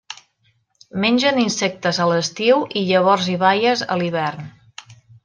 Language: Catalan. Mengen insectes a l'estiu i llavors i baies a l'hivern.